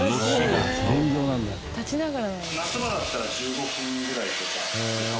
夏場だったら１５分ぐらいとかで乾く。